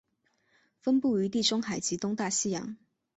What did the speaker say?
分布于地中海及东大西洋。